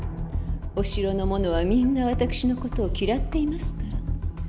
お城の者はみんな私の事を嫌っていますから。